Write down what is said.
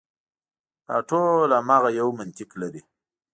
دا ټول هماغه یو منطق لري.